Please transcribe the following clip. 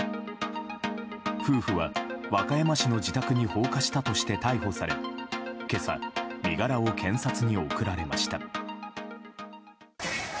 夫婦は和歌山市の自宅に放火したとして逮捕され今朝、身柄を検察に送られました。